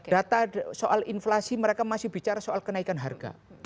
data soal inflasi mereka masih bicara soal kenaikan harga